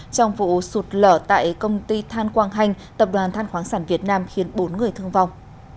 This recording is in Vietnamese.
trong vụ sụt lở tại công ty than quang hành tập đoàn than khoáng sản việt nam khiến bốn người thương vong